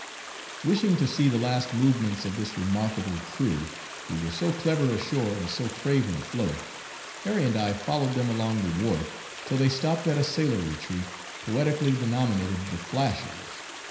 Wishing to see the last movements of this remarkable crew, who were so clever ashore and so craven afloat, Harry and I followed them along the wharf, till they stopped at a sailor retreat, poetically denominated "The Flashes."